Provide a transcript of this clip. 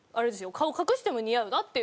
顔隠しても似合うなっていうので。